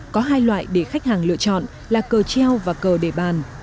có hai loại để khách hàng lựa chọn là cờ treo và cờ để bàn